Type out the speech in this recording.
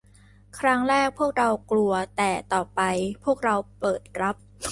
ครั้งแรกพวกเรากลัวแต่ต่อไปพวกเราเปิดรับ